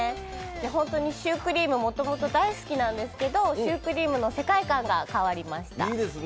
本当にシュークリーム、もともと大好きなんですけどシュークリームの世界観が変わりました。